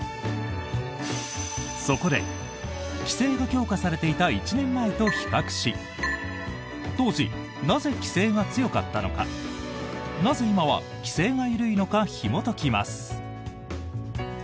そこで、規制が強化されていた１年前と比較し当時、なぜ規制が強かったのかなぜ今は規制が緩いのかひもときます。